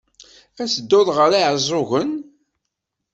Ad tedduḍ ɣer Iɛeẓẓugen?